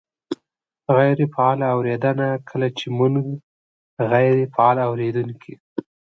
-غیرې فعاله اورېدنه : کله چې مونږ غیرې فعال اورېدونکي